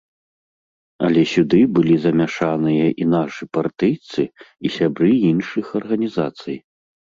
Але сюды былі замяшаныя і нашы партыйцы, і сябры іншых арганізацый.